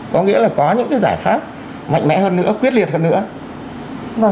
có nghĩa là có những giải pháp mạnh mẽ hơn nữa quyết liệt hơn nữa